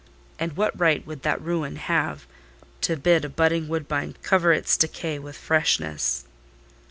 "And what right would that ruin have to bid a budding woodbine cover its decay with freshness?"